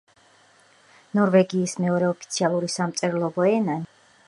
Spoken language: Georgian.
ნორვეგიის მეორე ოფიციალური სამწერლობო ენაა ნიუნორსკი.